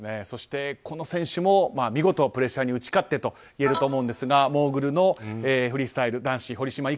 そして、この選手も見事プレッシャーに打ち勝ってといえると思うんですがモーグルのフリースタイル男子堀島